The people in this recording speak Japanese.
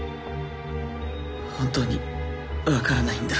本当に分からないんだ。